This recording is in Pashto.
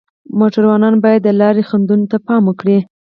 موټروان باید د لارې خنډونو ته پام وکړي.